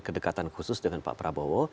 kedekatan khusus dengan pak prabowo